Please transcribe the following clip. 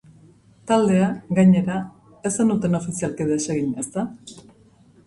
Taldea, gainera, ez zenuten ofizialki desegin, ezta?